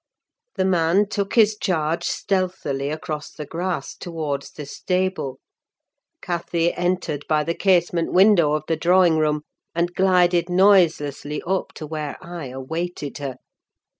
The man took his charge stealthily across the grass towards the stable. Cathy entered by the casement window of the drawing room, and glided noiselessly up to where I awaited her.